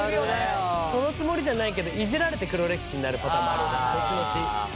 そのつもりじゃないけどいじられて黒歴史になるパターンもあるじゃん後々。